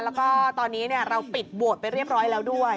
แล้วก็ตอนนี้เราปิดโหวตไปเรียบร้อยแล้วด้วย